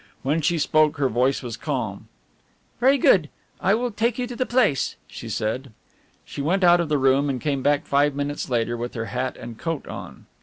When she spoke her voice was calm. "Very good. I will take you to the place," she said. She went out of the room and came back five minutes later with her hat and coat on.